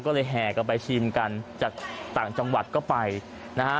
ก็เลยแห่กันไปชิมกันจากต่างจังหวัดก็ไปนะฮะ